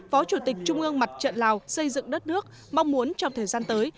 phó chủ tịch trung ương mặt trận lào xây dựng đất nước mong muốn trong thời gian tới